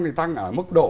thì tăng ở mức độ